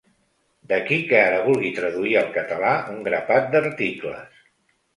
D'aquí que ara vulgui traduir al català un grapat d'articles.